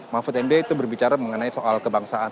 mahfud md itu berbicara mengenai soal kebangsaan